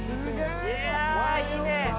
・いやいいね！